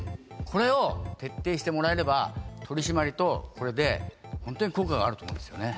これを徹底してもらえれば取り締まりとこれでホントに効果があると思うんですよね